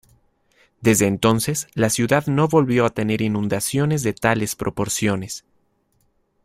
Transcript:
Desde entonces, la ciudad no volvió a tener inundaciones de tales proporciones.